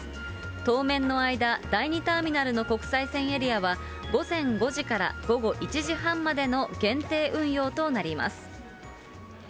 当面の間、第２ターミナルの国際線エリアは午前５時から午後１時半までの限定運用となります。